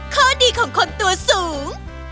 ข้อดีของคนตัวสูง